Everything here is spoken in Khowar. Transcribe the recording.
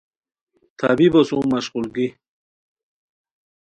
طبیبو سُم مشقولگی